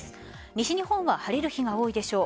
西日本は晴れる日が多いでしょう。